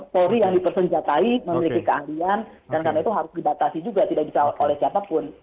polri yang dipersenjatai memiliki keahlian dan karena itu harus dibatasi juga tidak bisa oleh siapapun